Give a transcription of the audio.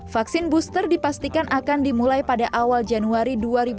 vaksin booster dipastikan akan dimulai pada awal januari dua ribu dua puluh